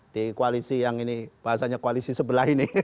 di koalisi yang ini bahasanya koalisi sebelah ini